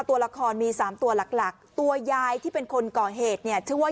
ตัวละครมีสามตัวหลักหลักตัวยายที่เป็นคนก่อเหตุเนี่ยชื่อว่า